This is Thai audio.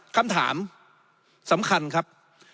คำถามสำคัญครับ